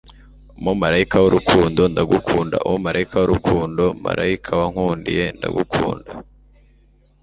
umumarayika w'urukundo, ndagukunda umumarayika w'urukundo, marayika wankundiye, ndagukunda